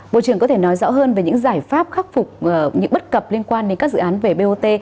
bộ trưởng có thể nói rõ hơn về những giải pháp khắc phục những bất cập liên quan đến các dự án về bot